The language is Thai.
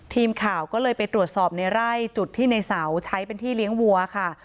ทีมข่าวก็เลยไปตรวจสอบในไร่จุดที่ในเสาใช้เป็นที่เลี้ยงวัวค่ะ